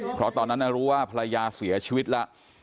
เพราะตอนนั้นรู้ว่าภรรยาเสียชีวิตแล้ว